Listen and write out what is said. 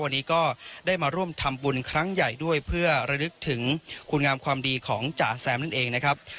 วันนี้ก็ได้มาร่วมทำบุญครั้งใหญ่ด้วยเพื่อระลึกถึงคุณงามความดีของจ๋าแซมนั่นเองนะครับ